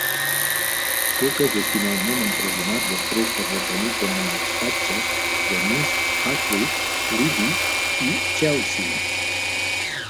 Lucas és finalment empresonat després de retenir com a ostatges Denise, Patrick, Libby i Chelsea.